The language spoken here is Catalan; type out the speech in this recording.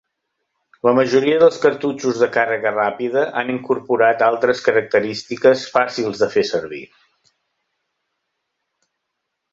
La majoria dels cartutxos de càrrega ràpida han incorporat altres característiques fàcils de fer servir.